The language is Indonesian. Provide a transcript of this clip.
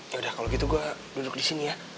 yaudah kalau gitu gue duduk disini